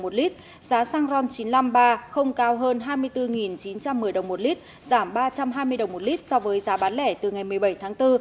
giá xăng ron chín trăm năm mươi ba không cao hơn hai mươi bốn chín trăm một mươi đồng một lít giảm ba trăm hai mươi đồng một lít so với giá bán lẻ từ ngày một mươi bảy tháng bốn